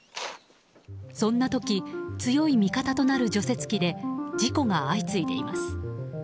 そんな時強い味方となる除雪機で事故が相次いでいます。